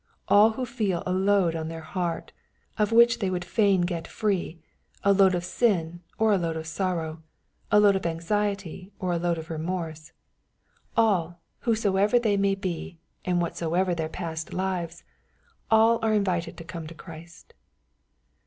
All who feel a load on their heart, of which they would fain get free, a load of sin or a load of sorrow, a load of anxiety or a load of remorse,— all, whosoevei MATTHEW, CHAP. XI. 119 they may be, and whatsoever their past lives — all such are invited to come to Christ.